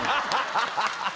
ハハハハ！